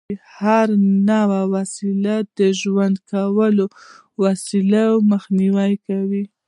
د هر نوع وسلې او وژونکو وسایلو مخنیوی کول.